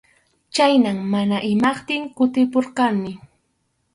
Chhaynam mana imantin kutimpurqani.